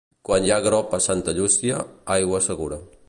Quan hi ha grop a Santa Llúcia, aigua segura.